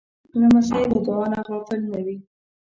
لمسی له دعا نه غافل نه وي.